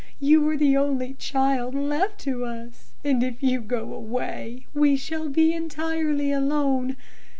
You are the only child left to us and if you go away, we shall be entirely alone.